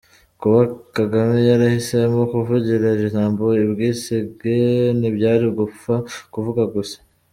Kuba Kagame yarahisemo kuvugira iri jambo i Bwisige, ntibyari ugupfa kuvuga gusa.